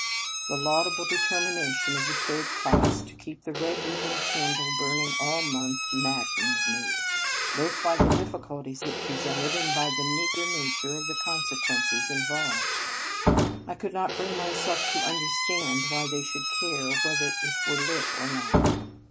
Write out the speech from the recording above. The laudable determination of the third class to keep the red ribboned candle burning all month maddened me, both by the difficulties it presented, and by the meagre nature of the consequences involved. I could not bring myself to understand why they should care whether it were lit or not.